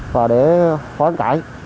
và để khói cải